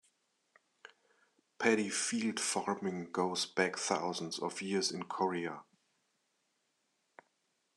Paddy field farming goes back thousands of years in Korea.